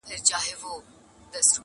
شور د کربلا کي به د شرنګ خبري نه کوو؛